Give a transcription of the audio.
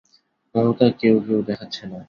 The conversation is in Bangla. মমতা কি কেউ-কেউ দেখাচ্ছে না?